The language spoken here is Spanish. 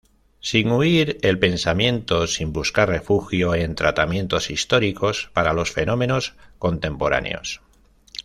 Sin huir el pensamiento, sin buscar refugio en tratamientos históricos para los fenómenos contemporáneos.